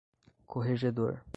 corregedor